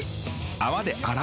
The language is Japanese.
泡で洗う。